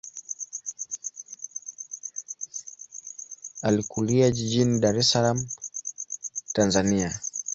Alikulia jijini Dar es Salaam, Tanzania.